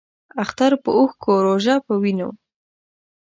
اختر پۀ اوښکو ، روژۀ پۀ وینو